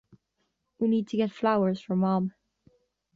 We need to get flowers for Mom.